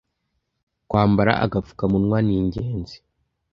Kwambara agapfukamunwa ni ingenzi